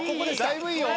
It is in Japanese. ［だいぶいいよ］